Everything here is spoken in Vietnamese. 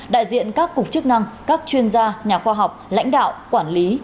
đại diện các cục chức năng các chuyên gia nhà khoa học lãnh đạo quản lý